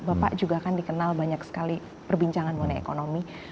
bapak juga kan dikenal banyak sekali perbincangan mengenai ekonomi